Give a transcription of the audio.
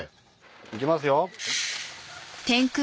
いきますよ！